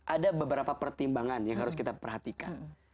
ada beberapa pertimbangan yang harus kita perhatikan